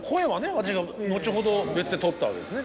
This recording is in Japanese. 私が後ほど別でとったわけですね。